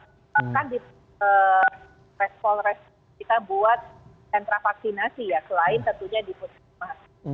bahkan di respon respon kita buat sentra vaksinasi ya selain tentunya di pusat perbelanjaan